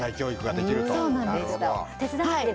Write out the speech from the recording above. そうなんです。